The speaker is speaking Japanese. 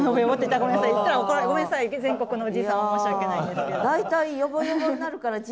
ごめんなさい全国のおじい様申し訳ないです。